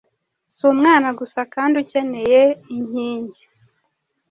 Si umwana gusa kandi ukeneye inking